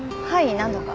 何度か。